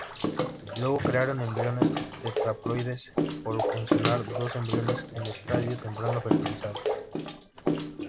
Luego, crearon embriones tetraploides por fusionar dos embriones en estadio temprano fertilizados.